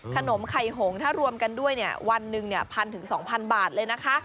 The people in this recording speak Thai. ขนมไข่โหงถ้ารวมกันด้วยวันหนึ่งพันถึงสองพันบาทเลยนะคะ